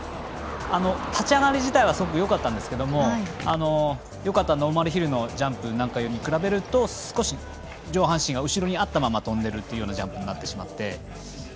立ち上がり自体はよかったんですけどよかったノーマルヒルのジャンプなんかに比べると少し上半身が後ろにあったまま飛んでいるというようなジャンプになってしまって。